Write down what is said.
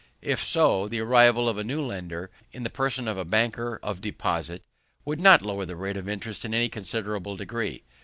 If so, the arrival of a new lender, in the person of a banker of deposit, would not lower the rate of interest in any considerable degree.